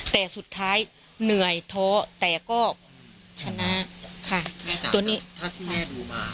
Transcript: แต่สุดท้ายเหนื่อยท้อแต่ก็ชนะค่ะตัวนี้เท่าที่แม่ดูมา